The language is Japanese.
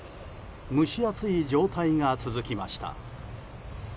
蒸し暑い状態が続きました。